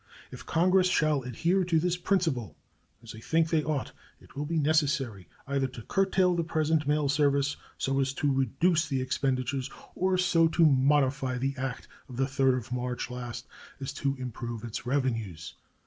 If Congress shall adhere to this principle, as I think they ought, it will be necessary either to curtail the present mail service so as to reduce the expenditures, or so to modify the act of the 3d of March last as to improve its revenues.